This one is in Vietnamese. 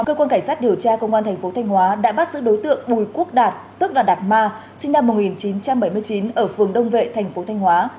cơ quan cảnh sát điều tra công an tp thanh hóa đã bắt giữ đối tượng bùi quốc đạt tức là đạt ma sinh năm một nghìn chín trăm bảy mươi chín ở phường đông vệ tp thanh hóa